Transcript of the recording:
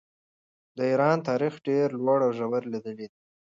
د ایران تاریخ ډېرې لوړې او ژورې لیدلې دي.